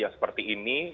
yang seperti ini